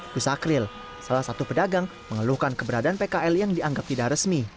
kusakril salah satu pedagang mengeluhkan keberadaan pkl yang dianggap tidak resmi